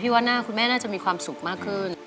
ว่าหน้าคุณแม่น่าจะมีความสุขมากขึ้น